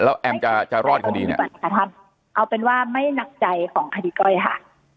แล้วแอมจะจะรอดคดีเอาเป็นว่าไม่หนักใจของคดีก้อยค่ะ